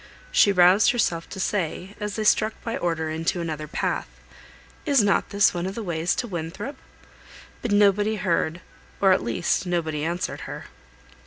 She roused herself to say, as they struck by order into another path, "Is not this one of the ways to Winthrop?" But nobody heard, or, at least, nobody answered her.